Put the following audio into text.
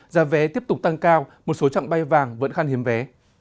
giá vé tiếp tục tăng cao một số trạng bay vàng vẫn khăn hiếm vé